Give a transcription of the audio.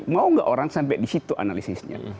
mau gak orang sampai disitu analisisnya